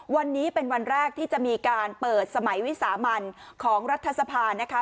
วันนี้เป็นวันแรกที่จะมีการเปิดสมัยวิสามันของรัฐสภานะคะ